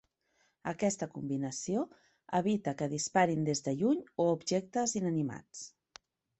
Aquesta combinació evita que disparin des de lluny o a objectes inanimats.